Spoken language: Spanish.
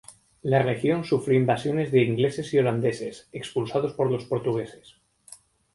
La región sufrió invasiones de ingleses y holandeses, expulsados por los portugueses.